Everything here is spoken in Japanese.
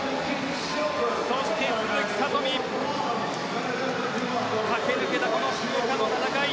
そして、鈴木聡美駆け抜けたこの福岡の戦い